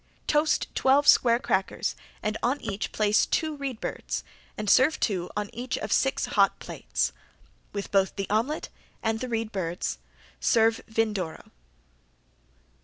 Toast twelve square crackers and on each place two reed birds, and serve two on each of six hot plates. With both the omelet and the reed birds serve Vin d'Oro.